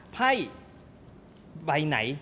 ไพ่ใบไหน